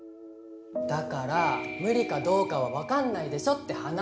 だから無理かどうかは分かんないでしょって話。